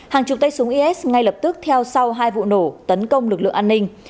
hàng chục tay súng is ngay lập tức theo sau hai vụ nổ tấn công lực lượng an ninh